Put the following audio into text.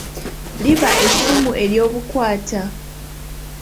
Liba effumu ery'obukwata.